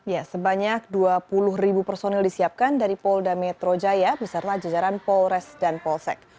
ya sebanyak dua puluh ribu personil disiapkan dari polda metro jaya beserta jajaran polres dan polsek